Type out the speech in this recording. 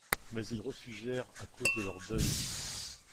Mais ils refusèrent, à cause de leur deuil.